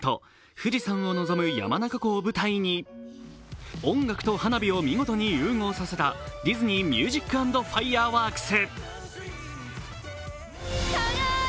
富士山を望む山中湖を舞台に音楽と花火を見事に融合させたディズニーミュージック＆ファイヤーワークス。